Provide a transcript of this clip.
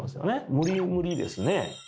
無理無理ですね